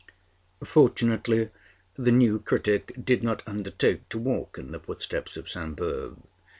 Fortunately the new critic did not undertake to walk in the footsteps of Sainte Beuve.